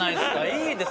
いいです。